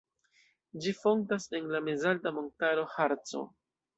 Ĝi fontas en la mezalta montaro Harco.